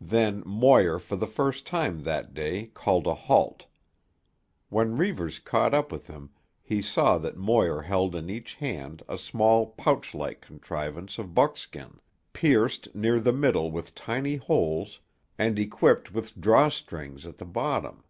Then Moir for the first time that day called a halt. When Reivers caught up with him he saw that Moir held in each hand a small pouch like contrivance of buckskin, pierced near the middle with tiny holes and equipped with draw strings at the bottom.